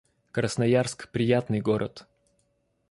Красноярск — приятный город